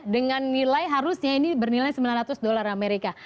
dengan nilai harusnya ini bernilai sembilan ratus dolar amerika